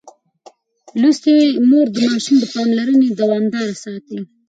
لوستې مور د ماشوم پاملرنه دوامداره ساتي.